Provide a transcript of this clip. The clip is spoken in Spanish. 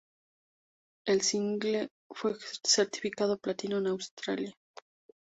El single fue certificado platino en Australia.